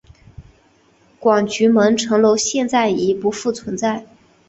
广渠门城楼现在已经不复存在。